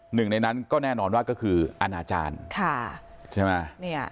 หนึ่งในนั้นก็แน่นอนว่าก็คืออาณาจารย์ใช่ไหม